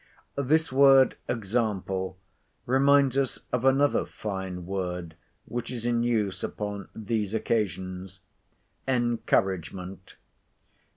This word example reminds us of another fine word which is in use upon these occasions—encouragement.